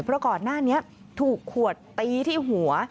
เพราะก่อนหน้านี้ถูกขวดตีที่หัว